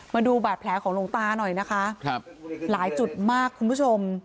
มาดูบาดแผลของหลวงตาหน่อยนะคะครับหลายจุดมากคุณผู้ชม